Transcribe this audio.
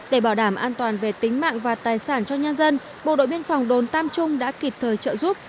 để bảo đảm an toàn về tính mạng và tài sản cho nhân dân bộ đội biên phòng đồn tam trung đã kịp thời trợ giúp